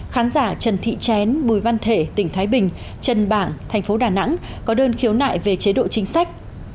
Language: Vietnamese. khán giả trần thị chén bùi văn thể tp thái bình trần bảng tp đà nẵng có đơn khiếu nại về chế độ chính sách